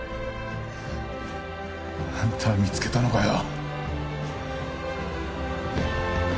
あんたは見つけたのかよ？